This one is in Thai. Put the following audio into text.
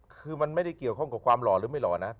คือมันไม่ได้เกี่ยวข้องกับความหล่อหรือไม่หล่อนะ